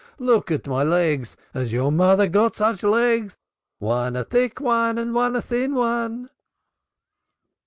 Look at my legs has your mother got such legs? One a thick one and one a thin one."